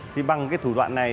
thì bằng cái thủ đoạn này